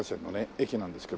駅なんですけど。